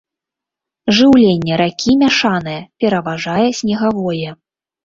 Жыўленне ракі мяшанае, пераважае снегавое.